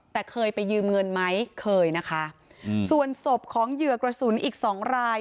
แต่เคยไปยืมเงินไหมเคยนะคะอืมส่วนศพของเหยื่อกระสุนอีกสองราย